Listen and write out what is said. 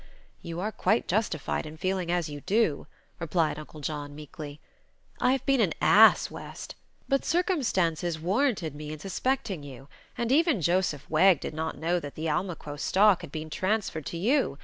"You are quite justified in feeling as you do," replied Uncle John, meekly. "I have been an ass, West; but circumstances warranted me in suspecting you, and even Joseph Wegg did not know that the Almaquo stock had been transferred to you.